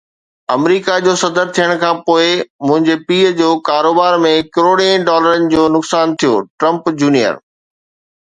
آمريڪا جو صدر ٿيڻ کانپوءِ منهنجي پيءُ جو ڪاروبار ۾ ڪروڙين ڊالرن جو نقصان ٿيو، ٽرمپ جونيئر